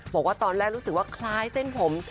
บอกว่าตอนแรกรู้สึกว่าคล้ายเส้นผม